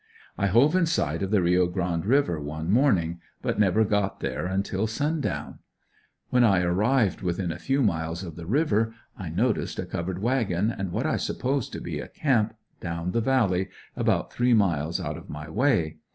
I hove in sight of the Rio Grande River one morning, but never got there until sundown. When I arrived within a few miles of the river I noticed a covered wagon and what I supposed to be a camp, down the valley, about three miles out of my way.